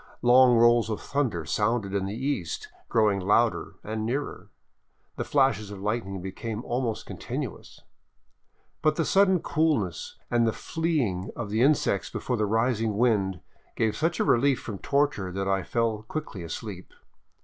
Long rolls of thunder sounded in the east, growing louder and nearer. The flashes of lightning became almost continuous. But the sudden coolness and the fleeing of the insects before the rising wind gave such a relief from torture that I fell quickly asleep.